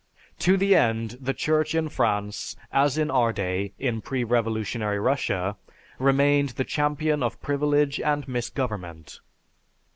To the end the Church in France, as in our day, in pre revolutionary Russia, remained the champion of privilege and misgovernment.